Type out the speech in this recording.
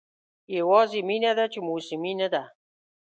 یوازې مینه ده چې موسمي نه ده.